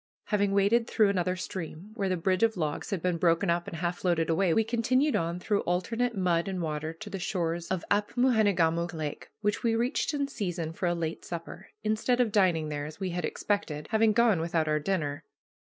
Having waded through another stream, where the bridge of logs had been broken up and half floated away, we continued on through alternate mud and water to the shores of Apmoojenegamook Lake, which we reached in season for a late supper, instead of dining there, as we had expected, having gone without our dinner.